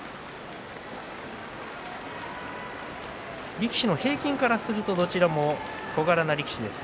力士の平均からするとどちらの力士も小柄な力士です。